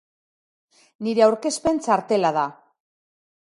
Nire aurkezpen txartela da.